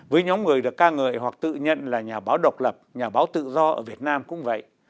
với nhóm người được ca ngợi hoặc tự nhận là nhà báo độc lập nhà báo tự do ở việt nam cũng vậy